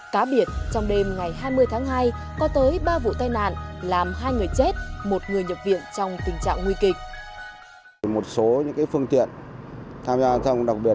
cá biệt trong đêm ngày hai mươi tháng hai có tới ba vụ tai nạn làm hai người chết một người nhập viện trong tình trạng nguy kịch